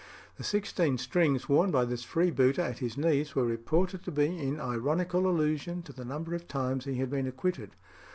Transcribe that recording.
The sixteen strings worn by this freebooter at his knees were reported to be in ironical allusion to the number of times he had been acquitted.